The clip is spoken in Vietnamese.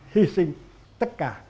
hy sinh tất cả